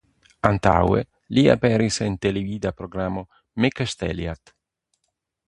Antaŭe li aperis en televida programo "Me kastelijat".